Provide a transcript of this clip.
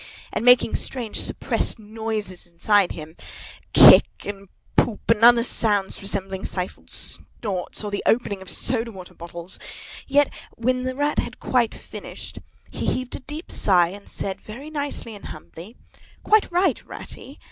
and making strange suppressed noises inside him, k i ck ck ck, and poop p p, and other sounds resembling stifled snorts, or the opening of soda water bottles, yet when the Rat had quite finished, he heaved a deep sigh and said, very nicely and humbly, "Quite right, Ratty!